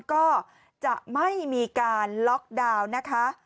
ก็จะไม่มีการล็อกดาวน์นะคะ